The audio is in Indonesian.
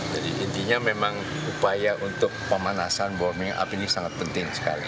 jadi intinya memang upaya untuk pemanasan bawah minyak api ini sangat penting sekali